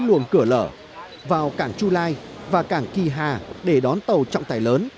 luồng cửa lở vào cảng chu lai và cảng kỳ hà để đón tàu trọng tài lớn